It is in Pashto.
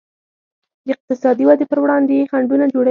د اقتصادي ودې پر وړاندې یې خنډونه جوړوي.